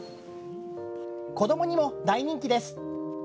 子どもにも大人気です。